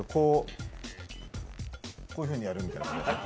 こういうふうにやるみたいな。